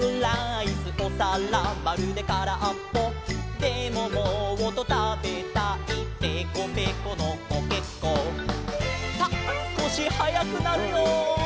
「でももっとたべたいぺこぺこのコケッコー」さあすこしはやくなるよ。